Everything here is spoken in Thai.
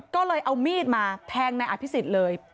ก็เลยเอามีดมาแทงนายอภิษฎเลย